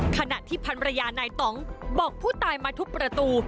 ขณะที่พันรยานายต่องบอกผู้ตายมาทุบประตู